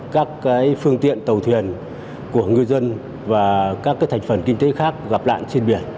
các phương tiện tàu thuyền của ngư dân và các thành phần kinh tế khác gặp nạn trên biển